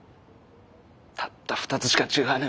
たった２つしか違わねえ